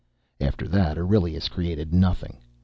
After that Aurelius created nothing.